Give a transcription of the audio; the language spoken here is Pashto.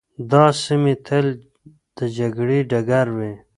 دا سیمي تل د جګړې ډګر وې.